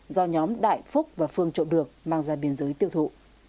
do nhóm đại phúc và phương trộm được mang ra biên giới tiêu thụ